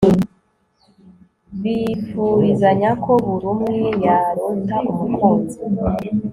bifurizanya ko buri umwe yarota umukunzi